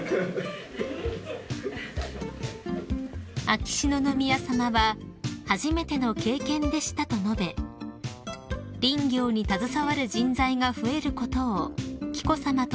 ［秋篠宮さまは「初めての経験でした」と述べ林業に携わる人材が増えることを紀子さまと共に願われたご様子でした］